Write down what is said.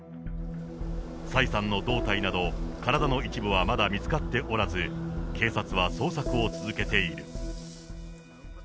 蔡さんの胴体など、体の一部はまだ見つかっておらず、警察は捜索を続けている。